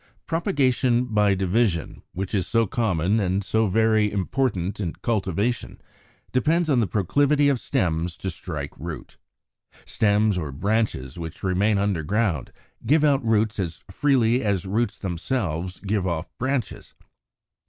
Propagation by division, which is so common and so very important in cultivation, depends upon the proclivity of stems to strike root. Stems or branches which remain under ground give out roots as freely as roots themselves give off branches.